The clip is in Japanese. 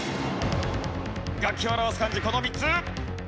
楽器を表す漢字この３つ！